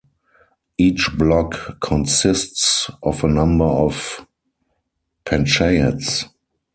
Each block consists of a number of panchayats.